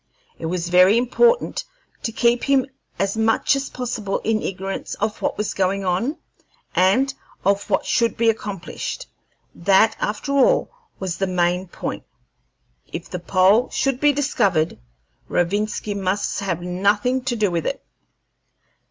It was very important to keep him as much as possible in ignorance of what was going on and of what should be accomplished; that, after all, was the main point. If the pole should be discovered, Rovinski must have nothing to do with it.